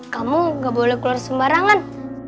kamu gak boleh keluar sembarangan